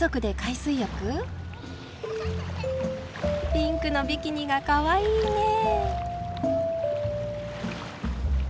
ピンクのビキニがかわいいねえ。